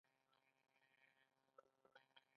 د ژبې او کلتور مشترکات ډیر دي.